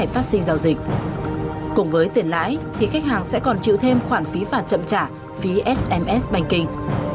với tiền lãi thì khách hàng sẽ còn chịu thêm khoản phí phản chậm trả phí sms bành kinh